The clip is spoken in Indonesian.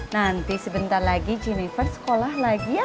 nanti sebentar lagi jennifer sekolah lagi ya